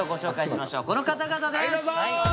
この方々です！